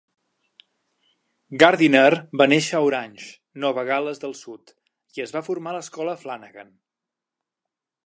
Gardiner va néixer a Orange, Nova Gal·les del Sud i es va formar a l'escola Flanagan.